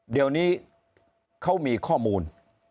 เดี๋ยวนี้เขามีข้อมูล